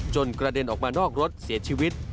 กระเด็นออกมานอกรถเสียชีวิต